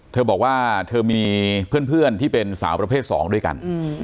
เธอบอกว่าเธอมีเพื่อนที่เป็นสาวประเภท๒ด้วยกัน